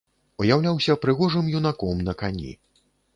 Уяўляўся прыгожым юнаком на кані.